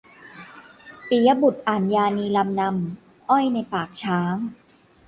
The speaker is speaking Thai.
ปิยบุตรอ่านยานีลำนำ "อ้อยในปากช้าง"